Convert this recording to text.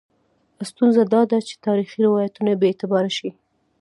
ستونزه دا ده چې تاریخي روایتونه بې اعتباره شي.